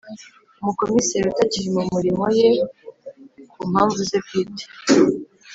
Umukomiseri utakiri mu mirimo ye ku mpamvu ze bwite